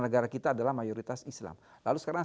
negara kita adalah mayoritas islam lalu sekarang